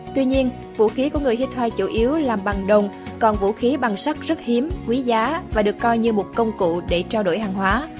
tuy nhiên vũ khí của người hittai chủ yếu làm bằng đồng còn vũ khí bằng sắc rất hiếm quý giá và được coi như một công cụ để trao đổi hàng hóa